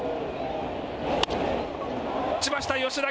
打ちました吉田。